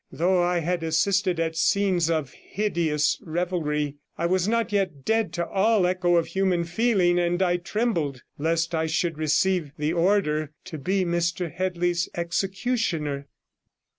Though I had assisted at scenes of hideous revelry, I was not yet dead to all echo of human feeling, and I trembled lest I should receive the order to be Mr Headley's executioner.